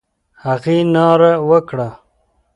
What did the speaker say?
هغې ناره وکړه: